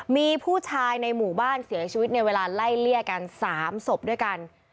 มีผู้ชายในหมู่บ้านเสียชีวิตในเวลาไล่เลี่ยกัน๓ศพด้วยกัน